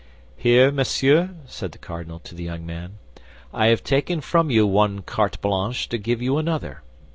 "Here, monsieur," said the cardinal to the young man. "I have taken from you one carte blanche to give you another.